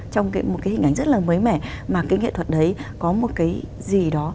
trong một cái hình ảnh rất là mới mẻ mà cái nghệ thuật đấy có một cái gì đó